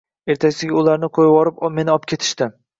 Ertasiga ularni qo‘yvorib meni opketishdi.